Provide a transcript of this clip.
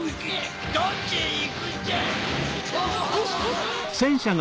どっちへ行くんじゃ！